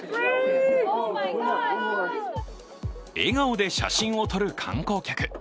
笑顔で写真を撮る観光客。